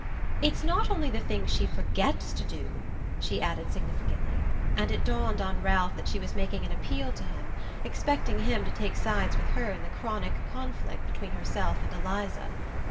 "It's not only the things she FORGETS to do," she added significantly; and it dawned on Ralph that she was making an appeal to him, expecting him to take sides with her in the chronic conflict between herself and Eliza.